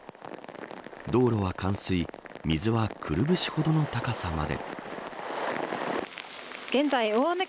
道路は冠水水はくるぶしほどの高さまで。